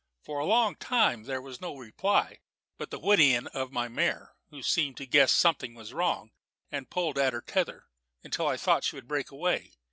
For a long time there was no reply but the whinnying of my mare, who seemed to guess something was wrong, and pulled at her tether until I thought she would break away.